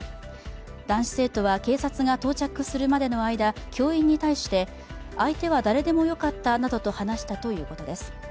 男子生徒は警察が到着するまでの間、教員に対して相手は誰でもよかったなどと話したということです。